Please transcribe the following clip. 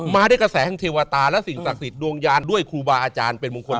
มาด้วยกระแสแห่งเทวตาและสิ่งศักดิ์สิทธิดวงยานด้วยครูบาอาจารย์เป็นมงคล